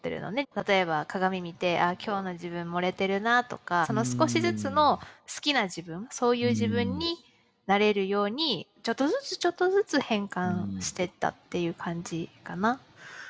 例えば鏡見て今日の自分盛れてるなとか少しずつの好きな自分そういう自分になれるようにちょっとずつちょっとずつ変換してったっていう感じかな。